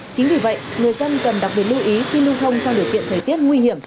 chính vì vậy người dân cần đặc biệt lưu ý khi lưu thông trong điều kiện thời tiết nguy hiểm